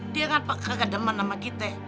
dia kan nggak demen sama kita